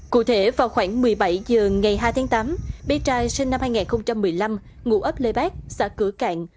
cụ thể vào khoảng một mươi bảy h ngày hai tháng tám bé trai sinh năm hai nghìn một mươi năm ngụ ấp lê bác xã cửa cạn